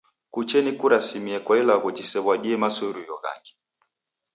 Kuche nikurasimie kwa ilagho jisew'adie masuw'irio ghangi?